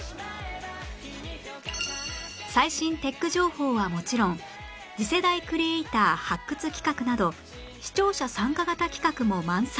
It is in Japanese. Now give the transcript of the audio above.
最新テック情報はもちろん次世代クリエイター発掘企画など視聴者参加型企画も満載！